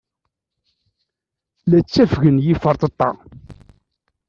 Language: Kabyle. La ttafgen yiferṭeṭṭa.